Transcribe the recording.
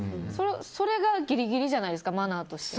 それがギリギリじゃないですかマナーとして。